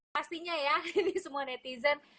pastinya ya ini semua netizen